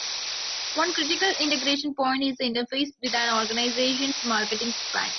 One critical integration point is the interface with an organization's marketing plan.